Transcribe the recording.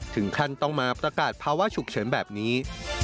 ถึงขั้นต้องมาประกาศภาวะฉุกเฉินแบบนี้